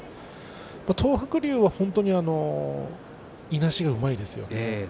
東白龍は本当にいなしがうまいですよね。